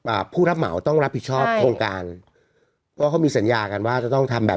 ผู้รับเหมาต้องรับผิดชอบโครงการเพราะเขามีสัญญากันว่าจะต้องทำแบบ